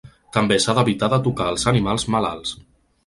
També s’ha d’evitar de tocar els animals malalts.